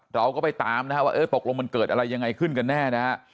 เราก็ไปตามนะว่าเอ๊ะปกโรมมันเกิดอะไรยังไงขึ้นกันแน่นะครับ